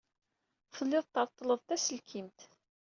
Telliḍ treḍḍleḍ-d taselkimt.